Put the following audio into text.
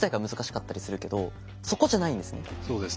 そうですね。